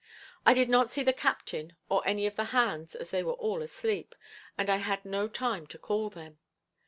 I did not see the captain or any of the hands as they were all asleep, and I had no time to call them.